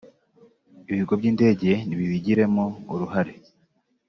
Ibigo by’indege ni bibigiremo uruhare